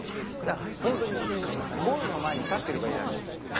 ホントにゴールの前に立ってればいいだけ。